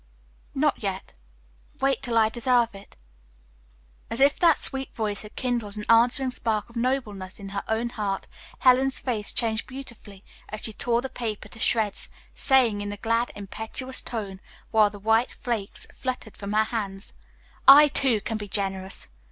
"Not yet. Wait till I deserve it." As if that sweet voice had kindled an answering spark of nobleness in her own heart, Helen's face changed beautifully, as she tore the paper to shreds, saying in a glad, impetuous tone, while the white flakes fluttered from her hands, "I, too, can be generous.